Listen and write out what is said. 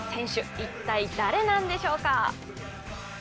一体、誰なんでしょうか？